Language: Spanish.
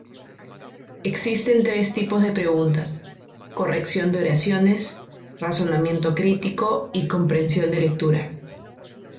Existen tres tipos de preguntas: corrección de oraciones, razonamiento crítico y comprensión de lectura.